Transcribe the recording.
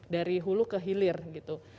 dari hulu ke hilir gitu